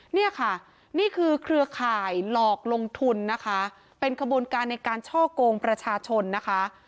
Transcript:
เนี่ยค่ะนี่คือเครือข่ายหลอกลงทุนนะคะเป็นขบวนการในการช่อกงประชาชนนะคะ